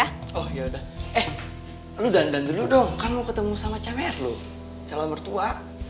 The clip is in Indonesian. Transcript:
oh ya udah eh lu dandan dulu dong kan mau ketemu sama camer lu calon mertua